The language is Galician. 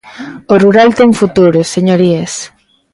O rural ten futuro, señorías.